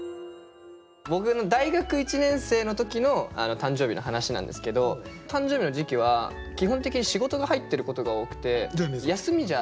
僕の大学１年生の時の誕生日の話なんですけど誕生日の時期は基本的に仕事が入ってることが多くて休みじゃなかったんですよ。